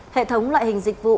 hệ thống loại hình dịch vụ